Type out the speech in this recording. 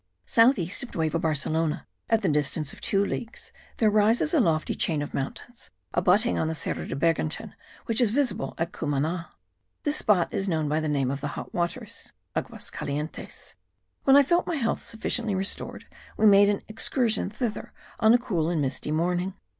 South east of Nueva Barcelona, at the distance of two Leagues, there rises a lofty chain of mountains, abutting on the Cerro del Bergantin, which is visible at Cumana. This spot is known by the name of the hot waters, (aguas calientes). When I felt my health sufficiently restored, we made an excursion thither on a cool and misty morning.